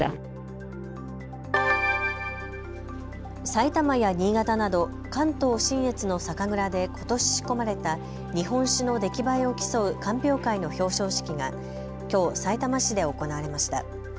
埼玉や新潟など関東信越の酒蔵でことし仕込まれた日本酒の出来栄えを競う鑑評会の表彰式がきょうさいたま市で行われました。